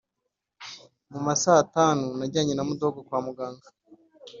mu ma satanu najyanye na mudogo kwa muganga